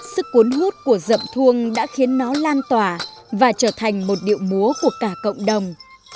sức cuốn hút của dậm thuông đã khiến nó lan tỏa và trở thành một điệu múa của cả cộng đồng